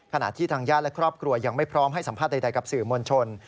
ขณะที่ทางญาติและครอบครัวยังไม่พร้อมให้สัมภาษณ์ใดกับสื่อมวลชน